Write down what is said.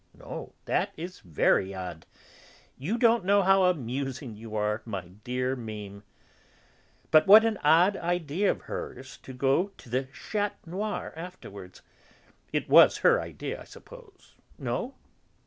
No? That is very odd! You don't know how amusing you are, my dear Mémé. But what an odd idea of hers to go on to the Chat Noir afterwards; it was her idea, I suppose? No?